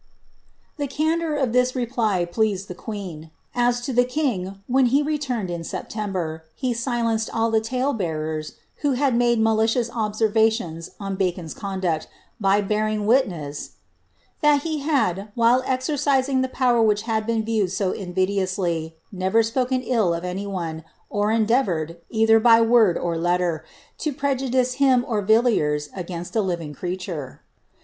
' The candour of this reply pleased the queen. As to the king, when he returned, in September, he silenced all the tale bearers who had made maliciofis observatioiM on Bacon*s conduct, by bearing witness, ^ that he had, while exereising the power which had been viewed eo invidiously, never spoken ill of any one, or endeavoured, either by w^ or letter, to prriudice him or Villiers aninst a living creature.